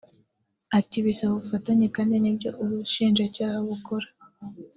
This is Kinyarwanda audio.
Ati “Bisaba ubufatanye kandi nibyo ubushinjacyaha bukora